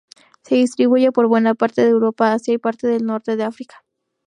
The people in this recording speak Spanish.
Se distribuye por buena parte de Europa, Asia y parte del norte de África.